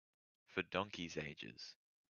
For donkeys' ages.